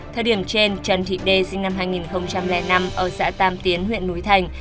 thời điểm trên trần thị đê sinh năm hai nghìn năm ở xã tam tiến huyện núi thành